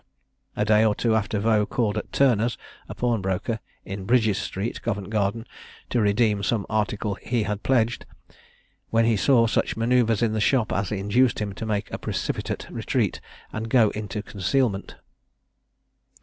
A day or two after Vaux called at Turner's a pawnbroker, in Brydges Street, Covent Garden to redeem some article he had pledged, when he saw such manoeuvres in the shop as induced him to make a precipitate retreat, and go into concealment.